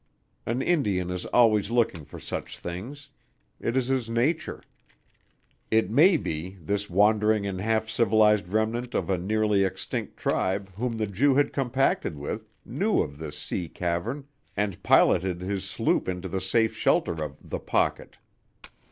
An Indian is always looking for such things. It is his nature. It may be this wandering and half civilized remnant of a nearly extinct tribe whom the Jew had compacted with, knew of this sea cavern and piloted his sloop into the safe shelter of "the pocket."